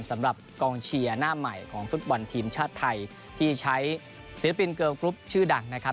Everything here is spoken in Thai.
สำหรับกองเชียร์หน้าใหม่ของฟุตบอลทีมชาติไทยที่ใช้ศิลปินเกิลกรุ๊ปชื่อดังนะครับ